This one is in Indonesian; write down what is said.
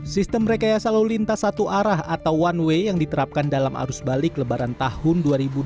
sistem rekayasa lalu lintas satu arah atau one way yang diterapkan dalam arus balik lebaran tahun dua ribu dua puluh